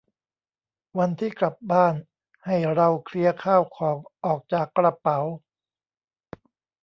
วันที่กลับบ้านให้เราเคลียร์ข้าวของออกจากกระเป๋า